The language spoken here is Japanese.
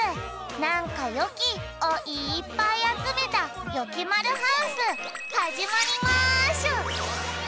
「なんかよき！」をいっぱいあつめたよきまるハウスはじまりましゅ！